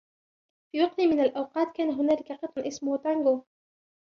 في وقت من الاوقات ، كان هناك قط اسمه تانغو.